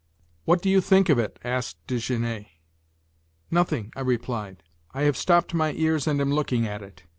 "What do you think of it?" asked Desgenais. "Nothing," I replied. "I have stopped my ears and am looking at it."